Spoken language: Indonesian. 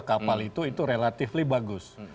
kapal itu itu relatively bagus